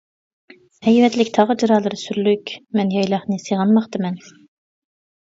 ھەيۋەتلىك تاغ جىرالىرى سۈرلۈك، مەن يايلاقنى سېغىنماقتىمەن.